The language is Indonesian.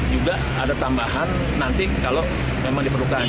juga ada tambahan nanti kalau memang diperlukan